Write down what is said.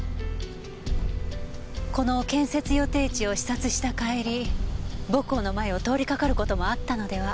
この建設予定地を視察した帰り母校の前を通りかかる事もあったのでは？